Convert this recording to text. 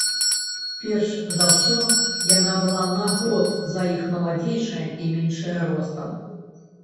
Перш за ўсё, яна была на год за іх маладзейшая і меншая ростам.